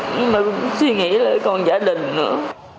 nhưng mà cũng suy nghĩ